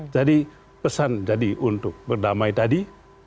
jadi pesan untuk berdamai tadi